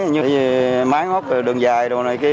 như máy móc đường dài đồ này kia